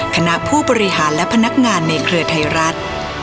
คณะผู้บริหารและพนักงานในเครือไทยรัฐ